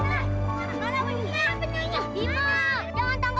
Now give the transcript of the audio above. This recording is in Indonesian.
aku juga belum ketemu